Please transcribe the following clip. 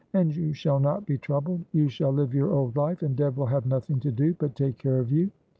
And you shall not be troubled; you shall live your old life, and Deb will have nothing to do but take care of you."